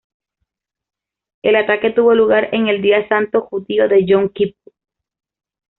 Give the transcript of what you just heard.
El ataque tuvo lugar en el día santo judío de Yom Kippur.